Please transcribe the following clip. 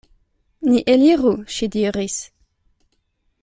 Ni eliru, ŝi diris.